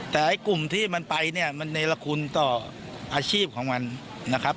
แต่ไอ้กลุ่มที่มันไปเนี่ยมันเนรคุณต่ออาชีพของมันนะครับ